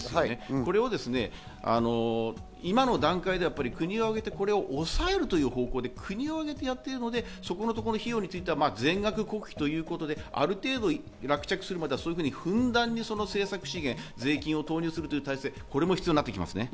これを今の段階では国を挙げてこれを抑えるという方向で国でやってるので、そこの費用については全額国費ということである程度、落着するまではふんだんに政策資源、税金を投入するという体制、これも必要になってきます。